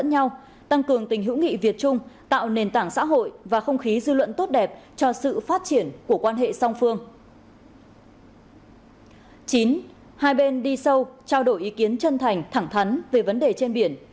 chín hai bên đi sâu trao đổi ý kiến chân thành thẳng thắn về vấn đề trên biển